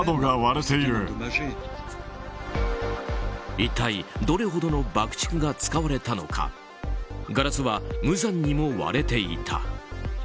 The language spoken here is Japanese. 一体どれほどの爆竹が使われたのかガラスは無残にも割れていた。